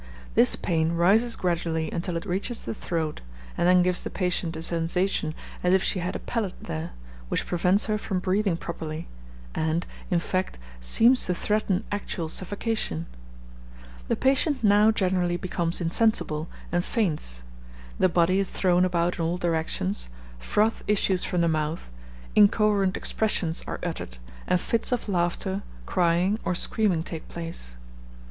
This pain rises gradually until it reaches the throat, and then gives the patient a sensation as if she had a pellet there, which prevents her from breathing properly, and, in fact, seems to threaten actual suffocation. The patient now generally becomes insensible, and faints; the body is thrown about in all directions, froth issues from the mouth, incoherent expressions are uttered, and fits of laughter, crying, or screaming, take place.